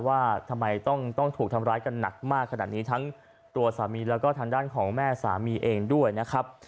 ว่าทำไมต้องถูกทำร้ายกันหนักมากขนาดนี้ทั้งตัวสามีแล้วก็ทางด้านของแม่สามีเองด้วยนะครับ